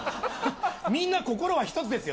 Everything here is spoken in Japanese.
みんな心は一つですよ。